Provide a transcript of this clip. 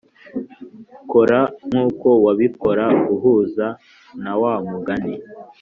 kora nkuko wabikora uhuza na wa mugani